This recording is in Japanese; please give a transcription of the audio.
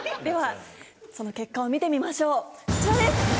ではその結果を見てみましょうこちらです。